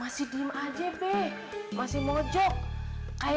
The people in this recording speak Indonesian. tolong dia attention nafikan